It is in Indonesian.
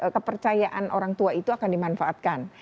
kepercayaan orang tua itu akan dimanfaatkan